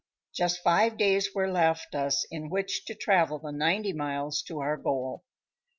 Just five days were left us in which to travel the ninety miles to our goal.